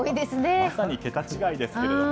まさに桁違いですけども。